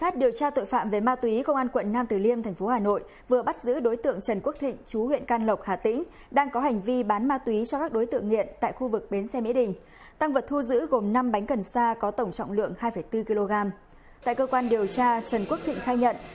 các bạn hãy đăng ký kênh để ủng hộ kênh của chúng mình nhé